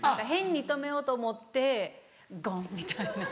変に止めようと思ってゴン！みたいな。